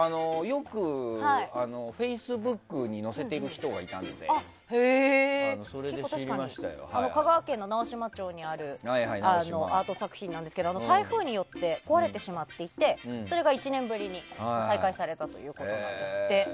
よくフェイスブックに載せてる人がいたので香川県の直島町にあるアート作品なんですけど台風によって壊れてしまっていてそれが１年ぶりに再開されたということなんですって。